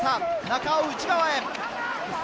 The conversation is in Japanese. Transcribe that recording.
中尾、内側へ。